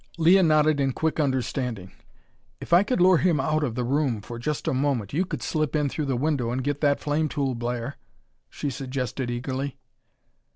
Leah nodded in quick understanding. "If I could lure him out of the room for just a moment, you could slip in through the window and get that flame tool, Blair," she suggested eagerly.